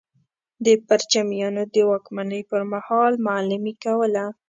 د پرچمیانو د واکمنۍ پر مهال معلمي کوله.